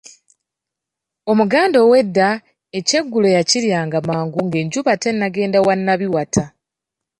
Omuganda ow’edda ekyeggulo yakiryanga mangu nga n’enjuba tenagenda wa Nabiwata.